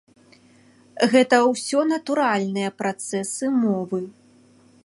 Гэта ўсё натуральныя працэсы мовы.